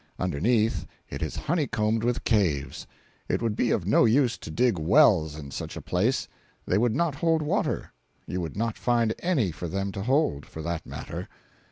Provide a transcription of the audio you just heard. Underneath, it is honey combed with caves; it would be of no use to dig wells in such a place; they would not hold water—you would not find any for them to hold, for that matter.